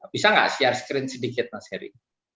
bisa nggak share screen sedikit mas heri